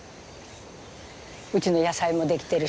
うちの野菜も出来てるし。